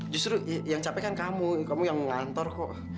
justru yang capek kan kamu kamu yang ngantor kok